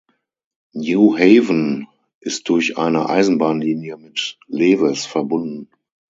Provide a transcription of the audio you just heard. Newhaven ist durch eine Eisenbahnlinie mit Lewes verbunden.